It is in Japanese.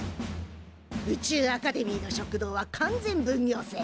宇宙アカデミーの食堂は完全分業制。